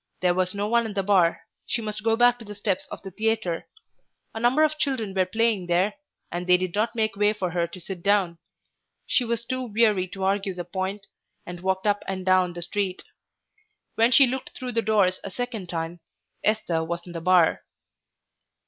There was no one in the bar, she must go back to the steps of the theatre. A number of children were playing there, and they did not make way for her to sit down. She was too weary to argue the point, and walked up and down the street. When she looked through the doors a second time Esther was in the bar.